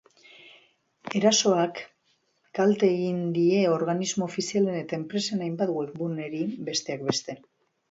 Erasoak kalte egin die organismo ofizialen eta enpresen hainbat webguneri, bestek beste.